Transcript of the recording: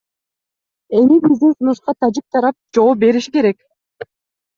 Эми биздин сунушка тажик тарап жооп бериши керек.